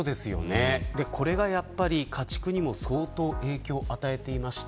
これがやっぱり家畜にも相当影響を与えています。